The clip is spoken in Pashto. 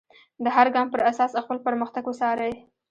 د هر ګام پر اساس خپل پرمختګ وڅارئ.